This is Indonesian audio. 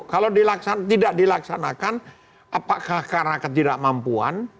kalau tidak dilaksanakan apakah karena ketidakmampuan